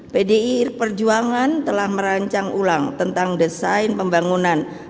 pdi perjuangan telah merancang ulang tentang desain pembangunan pangan masa depan